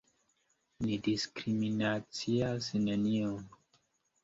Ni diskriminacias neniun!